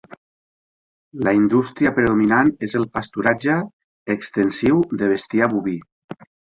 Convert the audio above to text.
La indústria predominant és el pasturatge extensiu de bestiar boví.